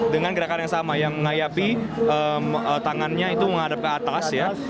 dengan gerakan yang sama yang mengayapi tangannya itu menghadap ke atas ya